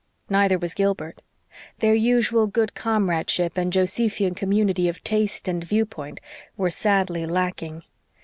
Neither was Gilbert. Their usual good comradeship and Josephian community of taste and viewpoint were sadly lacking.